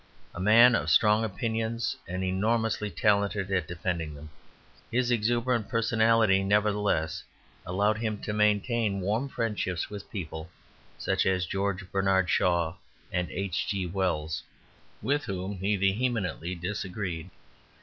A man of strong opinions and enormously talented at defending them, his exuberant personality nevertheless allowed him to maintain warm friendships with people such as George Bernard Shaw and H. G. Wells with whom he vehemently disagreed.